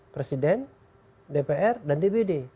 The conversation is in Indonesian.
presiden dpr dan dbd